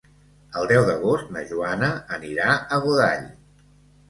El deu d'agost na Joana anirà a Godall.